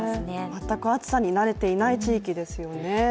全く暑さに慣れていない地域ですよね。